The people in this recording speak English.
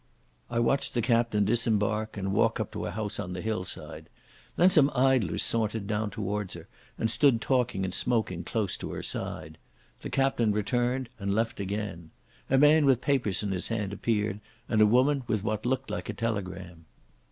I watched the captain disembark and walk up to a house on the hillside. Then some idlers sauntered down towards her and stood talking and smoking close to her side. The captain returned and left again. A man with papers in his hand appeared, and a woman with what looked like a telegram.